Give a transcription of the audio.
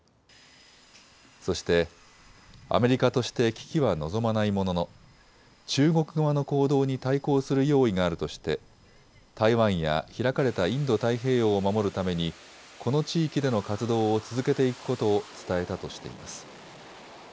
そして、アメリカとして危機は望まないものの中国側の行動に対抗する用意があるとして台湾や開かれたインド太平洋を守るためにこの地域での活動を続けていくことを伝えたとしています。